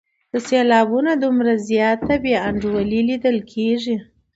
د سېلابونو دومره زیاته بې انډولي لیدل کیږي.